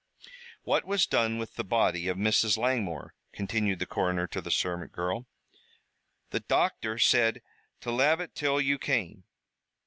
"What was done with the body of Mrs. Langmore?" continued the coroner to the servant girl. "The docther said to lave it till you came."